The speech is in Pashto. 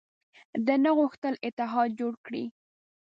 ده نه غوښتل اتحاد جوړ کړي.